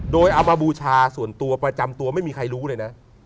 โดยเอามาบูชาส่วนตัวประจำตัวไม่มีใครรู้เลยนะ